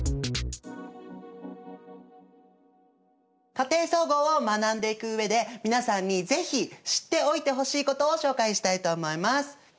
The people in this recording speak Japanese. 「家庭総合」を学んでいく上で皆さんにぜひ知っておいてほしいことを紹介したいと思います。